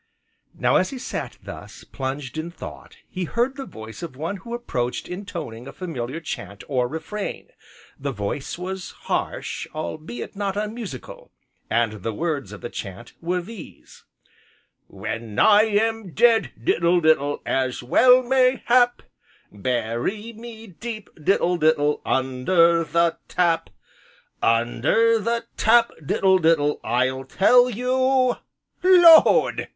Now as he sat thus, plunged in thought, he heard the voice of one who approached intoning a familiar chant, or refrain, the voice was harsh, albeit not unmusical, and the words of the chant were these: "When I am dead, diddle diddle, as well may hap, Bury me deep, diddle diddle, under the tap, Under the tap, diddle diddle, I'll tell you " "Lord!"